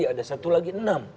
ada satu lagi enam